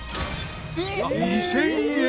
２０００円。